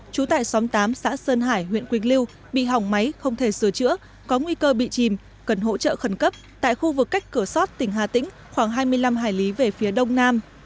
trú tại xóm tám xã sơn hải huyện quỳnh lưu bị hỏng máy không thể sửa chữa có nguy cơ bị chìm cần hỗ trợ khẩn cấp tại khu vực cách cửa sót tỉnh hà tĩnh khoảng hai mươi năm hải lý về phía đông nam